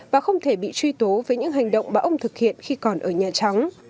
và không thể bị truy tố với những hành động mà ông thực hiện khi còn ở nhà trắng